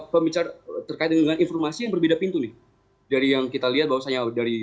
pembicaraan terkait dengan informasi berbeda pintu dari yang kita lihat bahwa saya dari